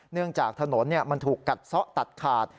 เนื่องจากถนนมันถูกกัดซะตัดขาด